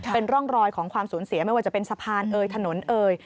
เป็นร่องรอยของความสูญเสียไม่ว่าจะเป็นสะพานเอยถนนเอ่ย